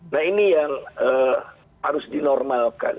nah ini yang harus dinormalkan